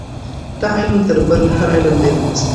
دا علم تر بل هر علم ډېره مرسته کوي.